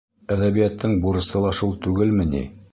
Әҙәбиәттең бурысы ла шул түгелме ни?!